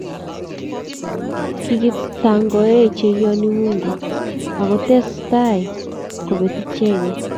Kikotangoe cheiyoni Mungu akotes tai kobeet icheget